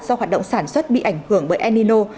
do hoạt động sản xuất bị ảnh hưởng bởi el nino